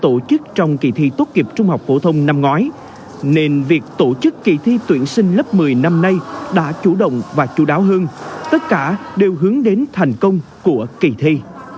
tổ chức trong kỳ thi tốt nghiệp trung học phổ thông năm ngoái nên việc tổ chức kỳ thi tuyển sinh lớp một mươi năm nay đã chủ động và chú đáo hơn tất cả đều hướng đến thành công của kỳ thi